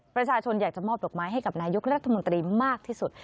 ประชาชนอยากจะมอบดอกไม้ให้กับนายกรัฐมนตรีมากที่สุด